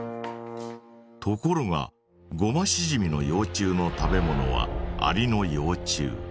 ところがゴマシジミの幼虫の食べ物はアリの幼虫。